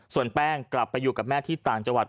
ส่วนแป้งกลับไปอยู่กับแม่ที่ต่างจังหวัด